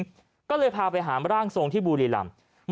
มันก็เลยพาไปร่างสงที่บูริรัมน์